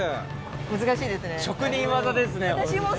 難しいですね。